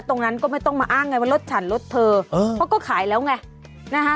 ตรงนั้นก็ไม่ต้องมาอ้างไงว่ารถฉันรถเธอเพราะก็ขายแล้วไงนะฮะ